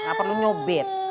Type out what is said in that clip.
nggak perlu nyubit